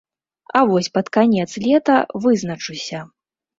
А вось пад канец лета вызначуся.